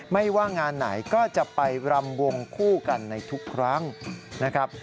ไม่ว่างานไหนก็จะไปรำวงคู่กันในทุกครั้งนะครับ